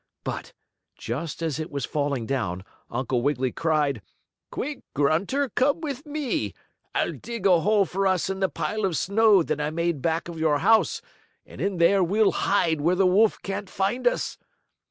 But, just as it was falling down, Uncle Wiggily cried: "Quick, Grunter, come with me! I'll dig a hole for us in the pile of snow that I made back of your house and in there we'll hide where the wolf can't find us!"